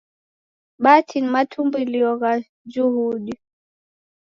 Bhati ni matumbulio gha juhudi.